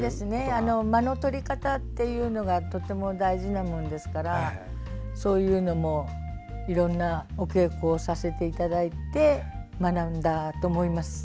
間の取り方というのがとても大事なものですからそういうのも、いろんなお稽古をさせていただいて学んだと思います。